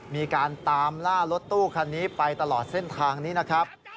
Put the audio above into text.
มีการตามล่ารถตู้คันนี้ไปตลอดเส้นทางนี้นะครับ